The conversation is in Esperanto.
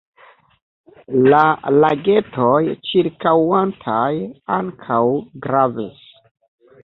La lagetoj ĉirkaŭantaj ankaŭ gravis.